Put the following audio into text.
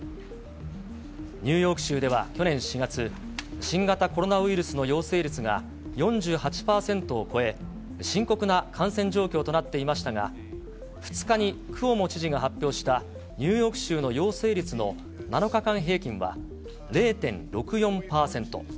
ニューヨーク州では去年４月、新型コロナウイルスの陽性率が４８％を超え、深刻な感染状況となっていましたが、２日にクオモ知事が発表したニューヨーク州の陽性率の７日間平均は、０．６４％。